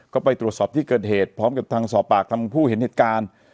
ก็ไปตรวจสอบที่เกิดเหตุพร้อมกับทางสอบปากทางผู้เห็นเหตุการณ์